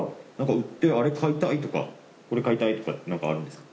売ってあれ買いたいとかこれ買いたいとかってなんかあるんですか？